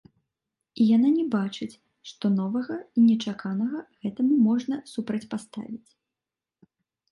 І яна не бачыць, што новага і нечаканага гэтаму можна супрацьпаставіць.